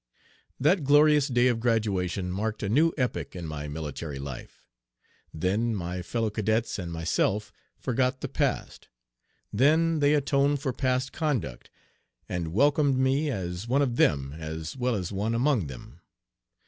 '" That glorious day of graduation marked a new epoch in my military life. Then my fellow cadets and myself forgot the past. Then they atoned for past conduct and welcomed me as one of them as well as one among them.